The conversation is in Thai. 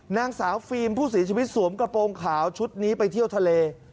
นางสาวฟิล์มผู้เสียชีวิตสวมกระโปรงขาวชุดนี้ไปเที่ยวทะเล